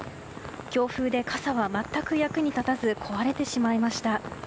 強風で傘は全く役に立たず壊れてしまいました。